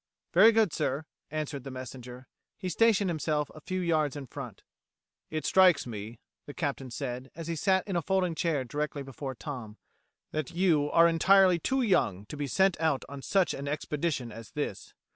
"Very good, sir," answered the messenger. He stationed himself a few yards in front. "It strikes me," the Captain said, as he sat in a folding chair directly before Tom, "that you are entirely too young to be sent out on such an expedition as this.